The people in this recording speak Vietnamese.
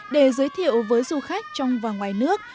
để giới thiệu với du khách trong và ngoài nước